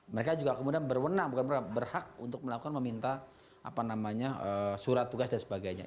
mereka juga kemudian berwenang bukan berhak untuk melakukan meminta surat tugas dan sebagainya